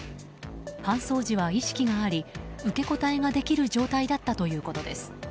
搬送時は意識があり受け答えができる状態だったということです。